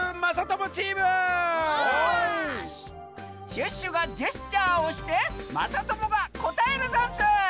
シュッシュがジェスチャーをしてまさともがこたえるざんす！